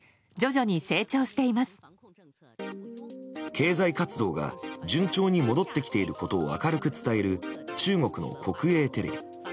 経済活動が順調に戻ってきていることを明るく伝える中国の国営テレビ。